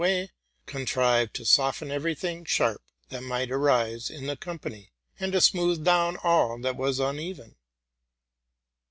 147 way, contrived to soften every thing sharp that might arise in the company, and to smooth down all that was uneven.